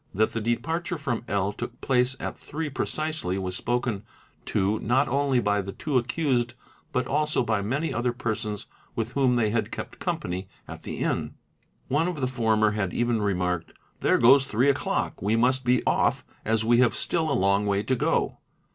That the departure from L. took place at three precisely was spoken to not only by the two accused but also by many other persons with whom they had kept company at the inn. One of the former had even remarked 'There goes three o'clock, we must be off as we have still a long way to go."